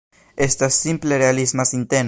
Estas simple realisma sinteno.